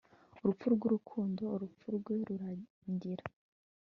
Urupfu rwurukundo urupfu rwe rurangira